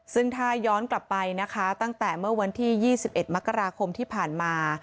ซึ่งถ้าย้อนกลับไปนะคะตั้งแต่เมื่อวันที่๒๑มกราคมที่ผ่านมา